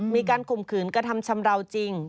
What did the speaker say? มีการขมคืนกระทำชำลาวจริง